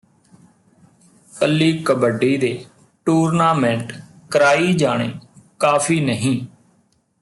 ਕੱਲੀ ਕਬੱਡੀ ਦੇ ਟੂਰਨਾਮੈਂਟ ਕਰਾਈ ਜਾਣੇ ਕਾਫੀ ਨਹੀਂ